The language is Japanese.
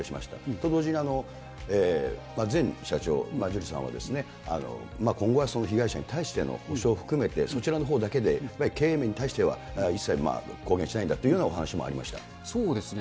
と同時に、前社長、ジュリーさんは、今後は被害者に対しての補償を含めて、そちらのほうだけで、経営面に対しては一切こう言しないんだというようなお話もありまそうですね。